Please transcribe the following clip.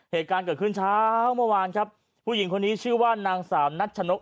เหตุการณ์เกิดขึ้นเช้าเมื่อวานครับผู้หญิงคนนี้ชื่อว่านางสาวนัชนก